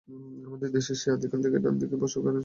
আমাদের দেশে সেই আদিকাল থেকেই ডান দিকে বসে গাড়ি চালানো হচ্ছে।